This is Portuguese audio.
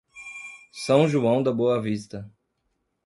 São João da Boa Vista